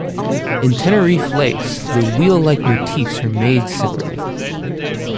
In Tenerife lace, the wheel-like motifs are made separately.